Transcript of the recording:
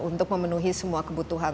untuk memenuhi semua kebutuhan